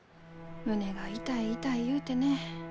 胸が痛い痛い言うてね。